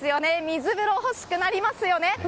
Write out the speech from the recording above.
水風呂、ほしくなりますよね。